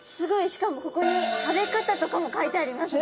しかもここに食べ方とかも書いてありますね。